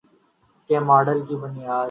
کے ماڈل کی بنیاد